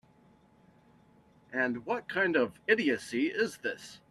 And what kind of idiocy is this?